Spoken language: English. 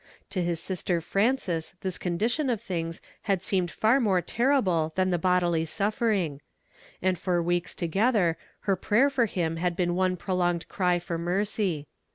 To his sister anees tins condition of things had seemed far >''o.e terr.ble than the bodily suffering; and for weeks together her prayer for him had been one >"o..go.l cry for mercy.